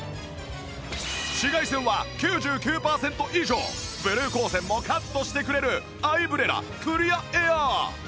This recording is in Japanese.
紫外線は９９パーセント以上ブルー光線もカットしてくれるアイブレラクリアエアー